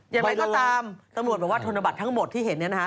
อย่างไรก็ตามตำรวจบอกว่าธนบัตรทั้งหมดที่เห็นเนี่ยนะคะ